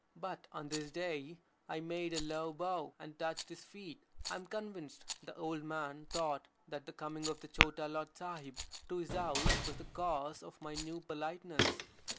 But on this day I made a low bow, and touched his feet. I am convinced the old man thought that the coming of the Chota Lord Sahib to his house was the cause of my new politeness.